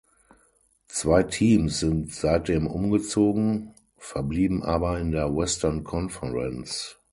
Zwei Teams sind seitdem umgezogen, verblieben aber in der Western Conference.